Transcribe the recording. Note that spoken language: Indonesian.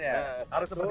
nah begitu tidak